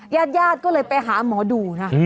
ยาดก็เลยไปหาหมอดูนะ